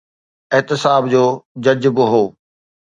احتساب جو جج به هو.